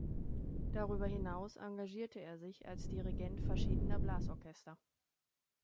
Darüber hinaus engagierte er sich als Dirigent verschiedener Blasorchester.